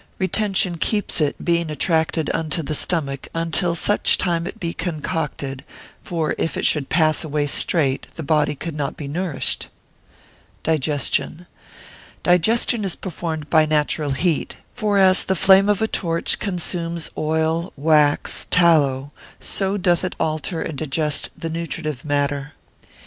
] Retention keeps it, being attracted unto the stomach, until such time it be concocted; for if it should pass away straight, the body could not be nourished. Digestion.] Digestion is performed by natural heat; for as the flame of a torch consumes oil, wax, tallow, so doth it alter and digest the nutritive matter.